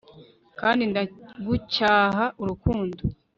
Kandi ndagucyaha urukundo